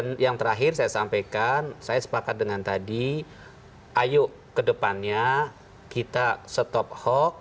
dan yang terakhir saya sampaikan saya sepakat dengan tadi ayo ke depannya kita stop hoax kita bicara faksa